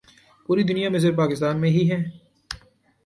پوری دنیا میں صرف پاکستان میں ہی ہیں ۔